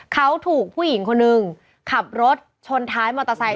เขาถูกผู้หญิงคนนึงขับรถชนท้ายมอเตอร์ไซค